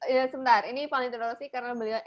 sebentar ini valentina rossi karena beliau